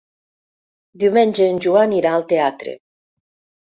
Diumenge en Joan irà al teatre.